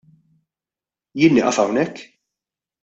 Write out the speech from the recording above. Jien nieqaf hawnhekk?